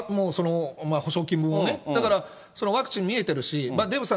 補償金もね、ワクチン見えてるし、デーブさん